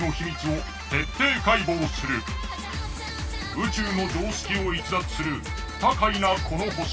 宇宙の常識を逸脱する不可解なこの星。